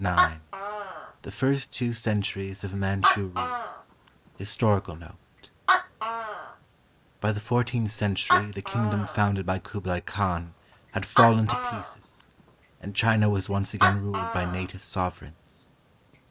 IX THE FIRST TWO CENTURIES OF MANCHU RULE HISTORICAL NOTE By the fourteenth century the kingdom founded by Kublai Khan had fallen to pieces and China was once again ruled by native sovereigns.